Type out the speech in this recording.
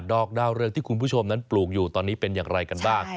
อกดาวเรืองที่คุณผู้ชมนั้นปลูกอยู่ตอนนี้เป็นอย่างไรกันบ้าง